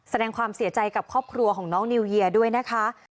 แสดงความเสียใจกับครอบครัวของน้องนิวเยียด้วยนะคะ